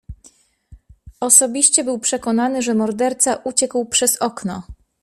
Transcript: "Osobiście był przekonany, że morderca uciekł przez okno."